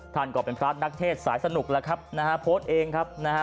ท่านก็เป็นพระนักเทศสายสนุกแล้วครับนะฮะโพสต์เองครับนะฮะ